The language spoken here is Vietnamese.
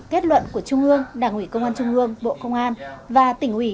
kết luận của trung ương đảng ủy công an trung ương bộ công an và tỉnh ủy